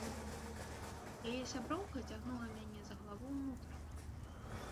Яе сяброўка цягнула мяне за галаву ўнутр.